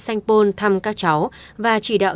sanh vôn thăm các cháu và chỉ đạo